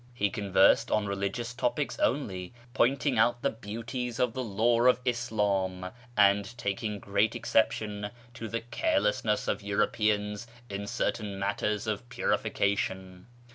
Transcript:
He conversed on religious topics only, pointing out the beauties of the law of Islam, and taking great exception to the carelessness of Europeans in certain matters of purification.